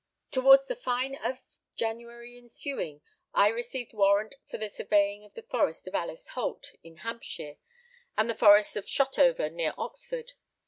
Towards the fine of January ensuing, I received warrant for the surveying of the forest of Alice Holt in Hampshire, and the forest of Shotover near Oxford.